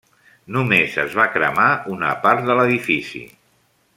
Només es va cremar una part de l’edifici.